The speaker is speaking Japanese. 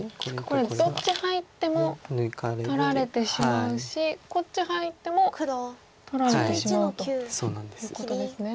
これどっち入っても取られてしまうしこっち入っても取られてしまうということですね。